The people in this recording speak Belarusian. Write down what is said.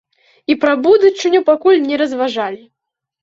І пра будучыню пакуль не разважалі.